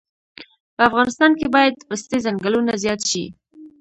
په افغانستان کې باید د پستې ځنګلونه زیات شي